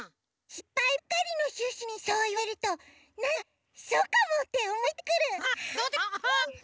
しっぱいばっかりのシュッシュにそういわれるとなんだかそうかもっておもえてくる。